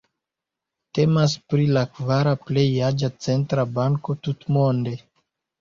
Temas pri la kvara plej aĝa centra banko tutmonde.